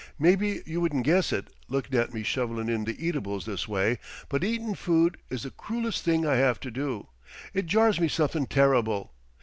"Maybe you wouldn't guess it, lookin' at me shovelin' in the eatables this way, but eatin' food is the croolest thing I have to do. It jars me somethin' terrible.